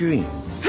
はい